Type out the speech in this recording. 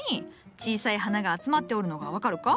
小さい花が集まっておるのが分かるか？